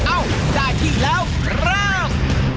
อ้าวได้ที่แล้วครับ